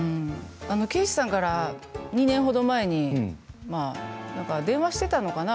圭史さんから２年ほど前に電話していたのかな？